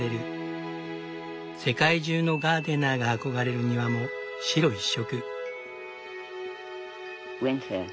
世界中のガーデナーが憧れる庭も白一色。